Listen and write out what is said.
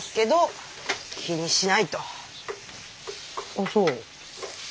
あっそう。